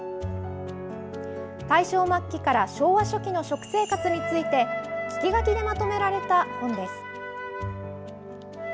大正末期から昭和初期の食生活について聞き書きでまとめられた本です。